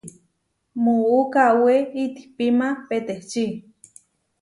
Muú kawé itihpíma peteči.